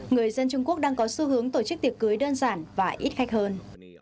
người dân trung quốc đang có xu hướng tổ chức tiệc cưới đơn giản và ít khách hơn